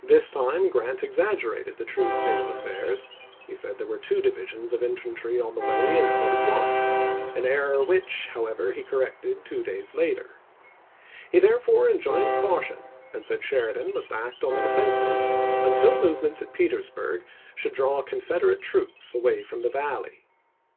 This iwd. time Grant exaggerated the true state of affairs; he said there were two divisions of infantry on the way, instead of one ; an error which, however, he corrected two days later. He therefore enjoined 294 ABEAHAM LINCOLN Grant to Halleck, Aug. 12, 1864. ch. xni. caution, and said Sheridan must act on the defen sive until movements at Petersburg should draw Confederate troops away from the Valley.